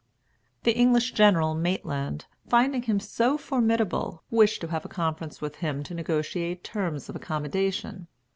The English general Maitland, finding him so formidable, wished to have a conference with him to negotiate terms of accommodation.